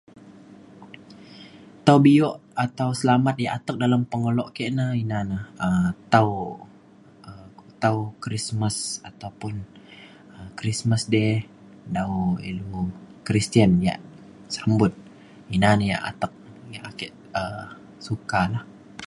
tau bio' atau selamat ya' atek dalem pengeluk ke' na ina ne um tau um tau krismas ataupun um christmas day dau ilu kristen ya' sambut ina na ya' atek ake um sukala.